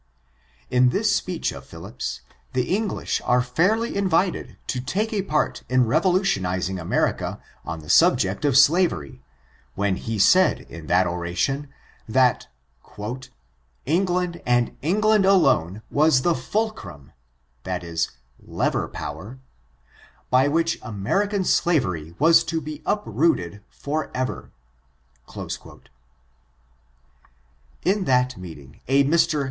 In this speech of Phillips^ the English are fairly invited to take a part in revolutionizing America on the subject of slavery, when he said in that oration, that ^^Englandj and England alone, was the ful crum [or lever power] by which American slavery was to be uprooted forever." In that meeting, a 3/r.